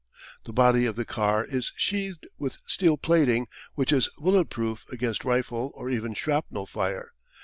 The body of the car is sheathed with steel plating which is bullet proof against rifle or even shrapnel fire.